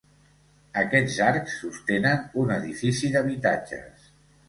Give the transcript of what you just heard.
Aquests arcs sostenen un edifici d'habitatges.